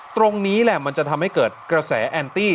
ตรงนี้แหละมันจะทำให้เกิดกระแสแอนตี้